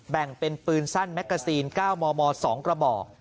แบ่งเป็นปืนสั้นแมกกาซีน๙มม๒กระบอก